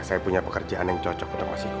saya punya pekerjaan yang cocok untuk mas iko